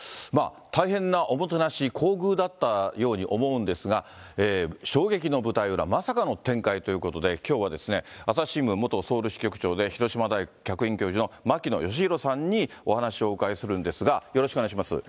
大変なおもてなし、厚遇だったように思うんですが、衝撃の舞台裏、まさかの展開ということで、きょうはですね、朝日新聞元ソウル支局長で、広島大学客員教授の牧野愛博さんにお話をお伺いするんですが、よよろしくお願いします。